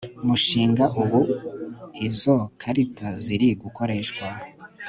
mushinga Ubu izo karita ziri gukoreshwa